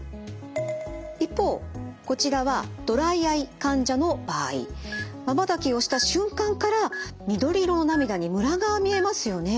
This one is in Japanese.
一方こちらはまばたきをした瞬間から緑色の涙にムラが見えますよね。